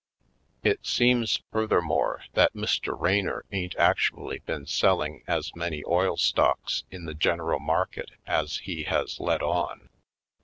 It seems, furthermore, that Mr. Raynor ain't actually been selling as many oil stocks in the general market as he has let on.